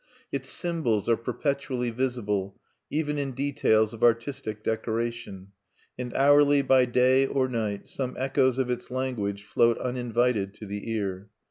Its symbols are perpetually visible, even in details of artistic decoration; and hourly by day or night, some echoes of its language float uninvited to the ear.